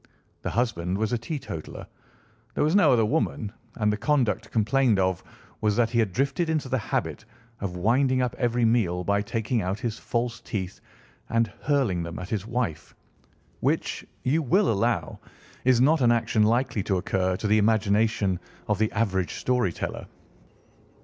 The husband was a teetotaler, there was no other woman, and the conduct complained of was that he had drifted into the habit of winding up every meal by taking out his false teeth and hurling them at his wife, which, you will allow, is not an action likely to occur to the imagination of the average story teller.